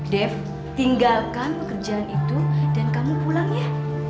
dev tinggalkan pekerjaan itu dan kamu pulang ya